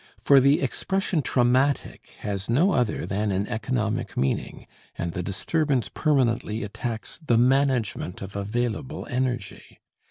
For the expression "traumatic" has no other than an economic meaning, and the disturbance permanently attacks the management of available energy.